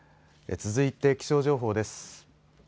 続いて気象情報です。